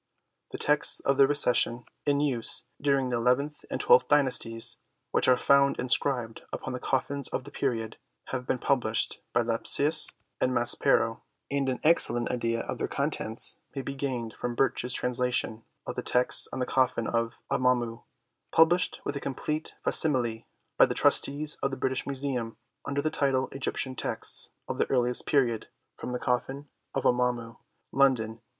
The texts of the Recension in use during the eleventh and twelfth dynasties, which are found in scribed upon the coffins of the period, have been published by Lepsius and Maspero, and an excellent idea of their contents may be gained from Birch's trans lation of the text on the coffin of Amamu, published with a complete facsimile by the Trustees of the British Museum under the title Egyptian Texts of the earliest period from the coffin of Amamu, London, 1886.